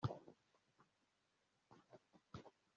Ibyokurya ingurube aracyabyiga